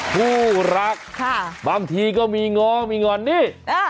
คู่รักบางทีก็มีง้อมีงอนนี่